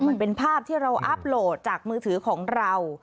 มันเป็นภาพที่เราอัพโหลดจากมือถือของเรา